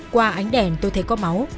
qua ánh đèn tôi thấy có máu